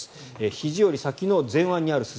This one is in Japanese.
ひじより先の前腕にある筋。